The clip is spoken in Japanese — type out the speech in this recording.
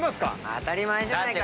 当たり前じゃないか。